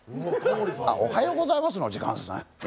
あっ、おはようございますの時間ですね。